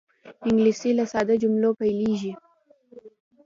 انګلیسي له ساده جملو پیلېږي